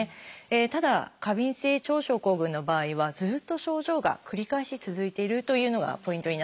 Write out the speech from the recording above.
ただ過敏性腸症候群の場合はずっと症状が繰り返し続いてるというのがポイントになっています。